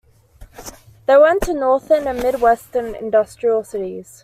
They went to Northern and Midwestern industrial cities.